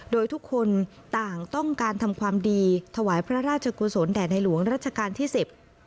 โดยทุกคนต่างต้องการทำความดีถวายพระราชกุศลแด่ในหลวงรัชกาลที่สิบ